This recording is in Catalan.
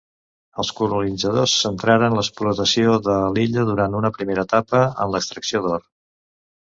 Els colonitzadors centraren l'explotació de l'illa, durant una primera etapa, en l'extracció d'or.